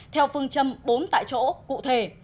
theo phương châm bốn tại chỗ cụ thể